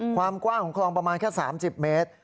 ความกว้างของคลองประมาณแค่๓๐เมตร